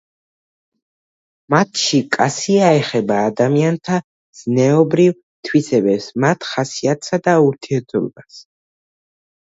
მათში კასია ეხება ადამიანთა ზნეობრივ თვისებებს მათ ხასიათსა და ურთიერთობას.